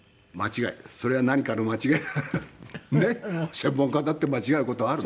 専門家だって間違う事はあるんだ。